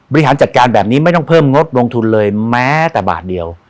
บริหารจัดการแบบนี้ไม่ต้องเพิ่มงบลงทุนเลยแม้แต่บาทเดียว